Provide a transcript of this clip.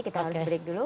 kita harus break dulu